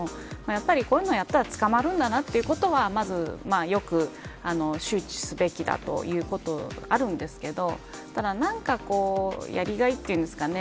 やっぱりこういうのをやったら捕まるということはまずよく周知すべきだということあるんですけどただ何か、やりがいというんですかね